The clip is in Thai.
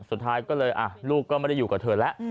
สุดท้ายก็เลยลูกก็ไม่ได้อยู่กับเธอแล้ว